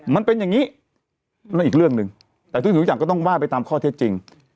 มันเป็นอย่างนี้นั่นอีกเรื่องหนึ่งแต่ทุกอย่างก็ต้องว่าไปตามข้อเท็จจริง